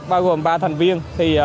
bao gồm ba thành viên